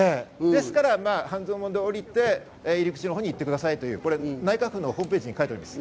ですから、半蔵門で降りて、入り口のほうに行ってくださいという内閣府のホームページに書いています。